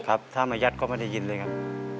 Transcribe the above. ครับถ้ามายัดก็ไม่ได้ยินเลยครับ